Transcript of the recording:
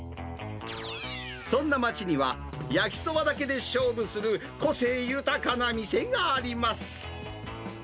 そんな街には、焼きそばだけで勝負する、個性豊かな店があります。